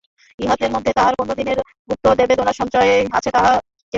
ইহার মধ্যে যে তাহার কত দিনের গুপ্তবেদনার সঞ্চয় আছে তাহা কেহই জানে না।